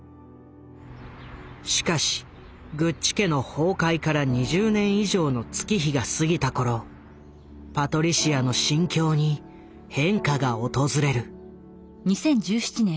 しかしグッチ家の崩壊から２０年以上の月日が過ぎた頃パトリシアの心境に変化が訪れる。